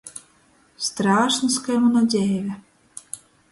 Strāšns kai muna dzeive.